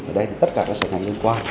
ở đây tất cả các sở ngành liên quan